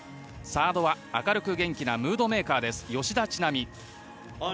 サードは明るく元気なムードメーカー、吉田知那美。